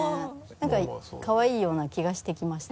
なんかかわいいような気がしてきました。